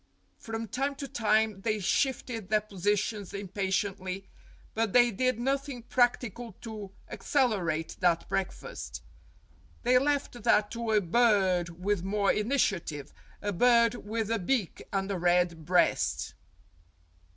From time to time they shifted their positions impatiently, but they did nothing practical to accele rate that breakfast. They left that to a bird with more initiative a bird with a beak and a red breast.